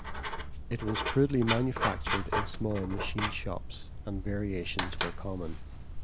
It was crudely manufactured in small machine shops and variations were common.